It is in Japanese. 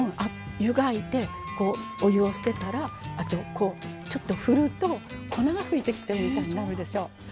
湯がいてこうお湯を捨てたらあとこうちょっとふると粉がふいてきたみたいになるでしょう。